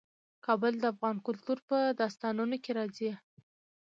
کابل د افغان کلتور په داستانونو کې راځي.